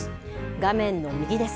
画面の右です